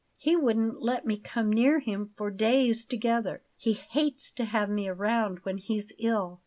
He wouldn't let me come near him for days together. He hates to have me about when he's ill."